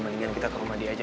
mendingan kita ke rumah dia aja